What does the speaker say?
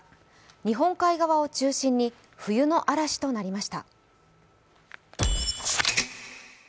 日本海側を中心に冬の嵐となりました。